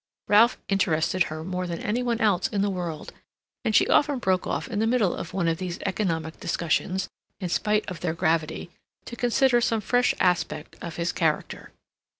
Ralph interested her more than any one else in the world, and she often broke off in the middle of one of these economic discussions, in spite of their gravity, to consider some fresh aspect of his character.